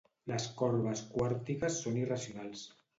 Les corbes quàrtiques són irracionals.